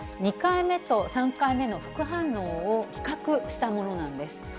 ２回目と３回目の副反応を比較したものなんです。